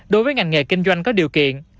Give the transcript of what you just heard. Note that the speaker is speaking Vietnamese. đối với ngành nghề kinh doanh có điều kiện